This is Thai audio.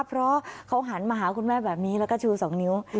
เพราะเขาหันมาหาคุณแม่แบบนี้แล้วก็ชู๒นิ้ว